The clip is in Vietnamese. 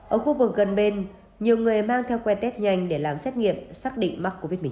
ở khu vực gần bên nhiều người mang theo que tét nhanh để làm trách nhiệm